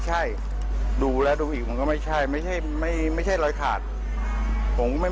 คนเขาบอกว่าเขาไม่ได้คิดเห็นอะไร